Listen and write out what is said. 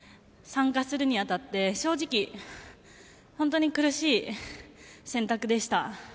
この全日本総合に参加するにあたって正直、本当に苦しい選択でした。